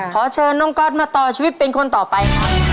ขอเชิญน้องก๊อตมาต่อชีวิตเป็นคนต่อไปครับ